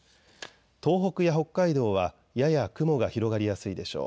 東北や北海道はやや雲が広がりやすいでしょう。